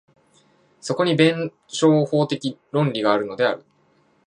そこに弁証法的論理があるのである。